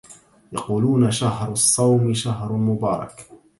يقولونَ شهرُ الصوم شهرٌ مبارَكٌ